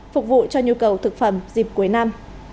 phục vụ cho nhu cầu thực phẩm dịp cuối năm